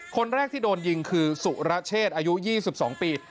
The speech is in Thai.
คนแรกที่โดนยิงคือสุรเชษอายุยี่สิบสองปี